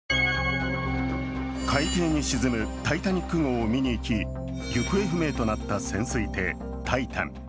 海底に沈む「タイタニック」号を見にいき行方不明となった潜水艇「タイタン」。